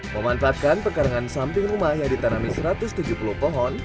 memanfaatkan pekarangan samping rumah yang ditanami satu ratus tujuh puluh pohon